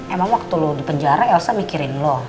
emang waktu lu di penjara elsa mikirin loh